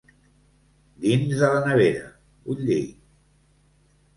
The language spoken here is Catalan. Dins de la nevera, vull dir.